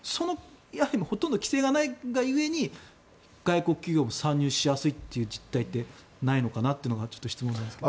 ほとんど規制がないが故に外国企業も参入しやすい実態ってないのかなというのがちょっと質問なんですが。